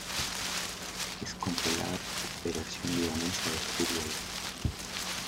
Es controlada por la Federación Libanesa de Fútbol.